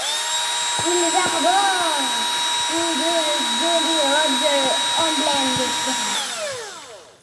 Ils arborent tous deux le Jolly Roger, emblème des pirates.